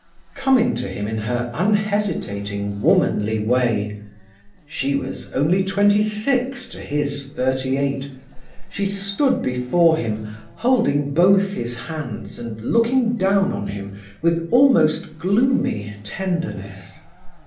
Coming to him in her unhesitating, womanly way—she was only twenty six to his thirty eight—she stood before him, holding both his hands and looking down on him with almost gloomy tenderness.